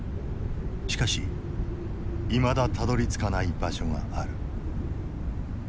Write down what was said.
しかしいまだたどりつかない場所がある。